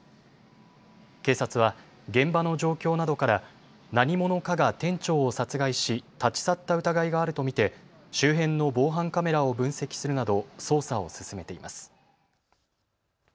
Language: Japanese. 警察は現場の状況などから何者かが店長を殺害し立ち去った疑いがあると見て周辺の防犯カメラを分析するなど捜査を進めています。